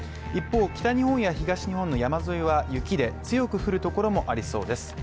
一方、北日本や東日本の山沿いは雪で強く降るところもありそうです。